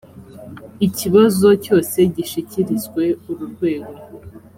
ikibazo cyose gishikirizwe uru rwego